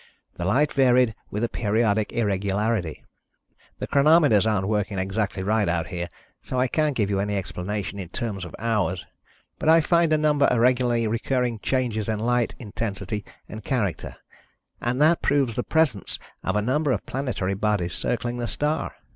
The light varied with a periodic irregularity. The chronometers aren't working exactly right out here, so I can't give you any explanation in terms of hours. But I find a number of regularly recurring changes in light intensity and character ... and that proves the presence of a number of planetary bodies circling the star.